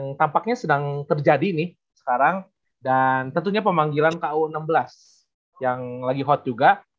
yang tampaknya sedang terjadi nih sekarang dan tentunya pemanggilan ku enam belas yang lagi hot juga